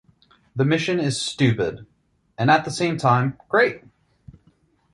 The mission is stupid and at the same time great.